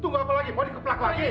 tunggu apa lagi mau dikeplak lagi